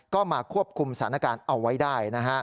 ก็มาควบคุมสถานการณ์เอาไว้ได้